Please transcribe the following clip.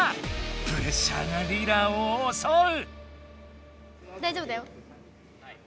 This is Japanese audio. プレッシャーがリラをおそう！